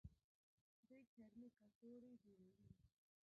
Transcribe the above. دوی چرمي کڅوړې جوړوي.